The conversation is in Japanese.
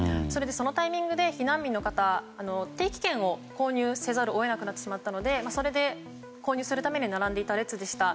そのタイミングで避難民の方定期券を購入せざるを得なくなってしまったので購入するために並んでいた列でした。